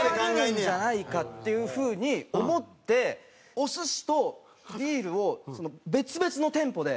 思われるんじゃないかっていう風に思ってお寿司とビールを別々の店舗で。